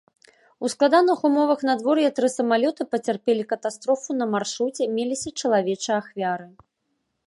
У складаных умовах надвор'я тры самалёты пацярпелі катастрофу на маршруце, меліся чалавечыя ахвяры.